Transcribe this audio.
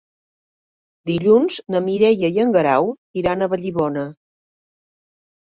Dilluns na Mireia i en Guerau iran a Vallibona.